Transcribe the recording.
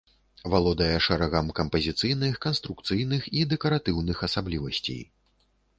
Валодае шэрагам кампазіцыйных, канструкцыйных і дэкаратыўных асаблівасцей.